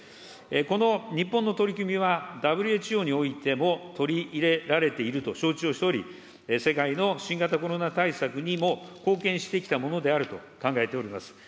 この日本の取り組みは、ＷＨＯにおいても取り入れられていると承知をしており、世界の新型コロナ対策にも貢献してきたものであると考えております。